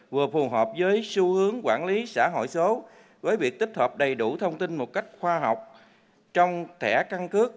vừa phù hợp với xu hướng quản lý xã hội số với việc tích hợp đầy đủ thông tin một cách khoa học trong thẻ căn cước